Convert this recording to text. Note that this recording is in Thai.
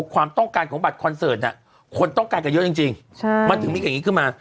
ความต้องการของบัตรคอนเสิร์ตคนต้องการกันเยอะจริงมันถึงมีอย่างนี้ขึ้นมา